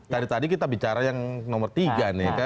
tadi tadi kita bicara yang nomor tiga nih